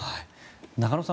中野さん